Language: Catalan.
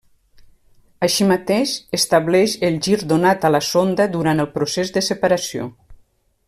Així mateix, estableix el gir donat a la sonda durant el procés de separació.